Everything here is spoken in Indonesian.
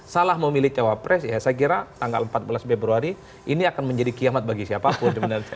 salah memilih cawapres ya saya kira tanggal empat belas februari ini akan menjadi kiamat bagi siapapun